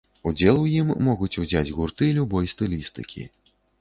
Удзел у ім могуць узяць гурты любой стылістыкі.